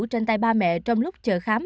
trên tay ba mẹ trong lúc chờ khám